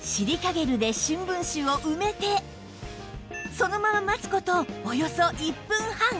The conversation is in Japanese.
そのまま待つ事およそ１分半